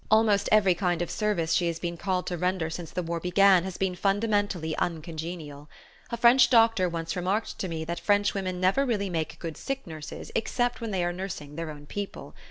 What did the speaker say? Almost every kind of service she has been called to render since the war began has been fundamentally uncongenial. A French doctor once remarked to me that Frenchwomen never make really good sick nurses except when they are nursing their own people.